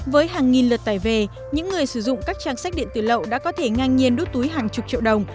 với hàng nghìn lượt tải về những người sử dụng các trang sách điện tử lậu đã có thể ngang nhiên đốt túi hàng chục triệu đồng